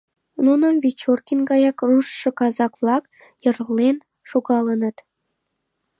Нуным Вечоркин гаяк руштшо казак-влак йырлен шогалыныт.